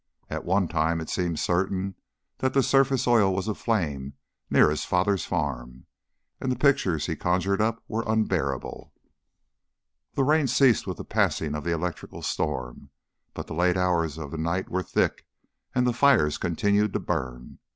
At one time it seemed certain that the surface oil was aflame near his father's farm, and the pictures he conjured up were unbearable. The rain ceased with the passing of the electrical storm, but the late hours of the night were thick and the fires continued to burn.